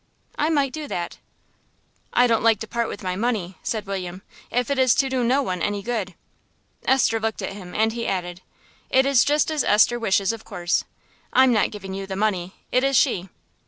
"I might do that." "I don't like to part with my money," said William, "if it is to do no one any good." Esther looked at him, and he added, "It is just as Esther wishes, of course; I'm not giving you the money, it is she."